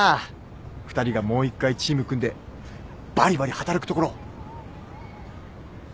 ２人がもう１回チーム組んでばりばり働くところ。